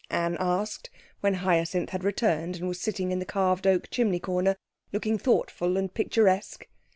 Anne asked, when Hyacinth had returned and was sitting in the carved oak chimney corner, looking thoughtful and picturesque.